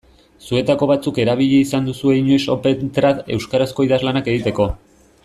Zuetako batzuk erabili izan duzue inoiz Opentrad euskarazko idazlanak egiteko.